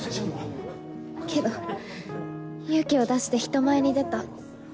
けど勇気を出して人前に出た。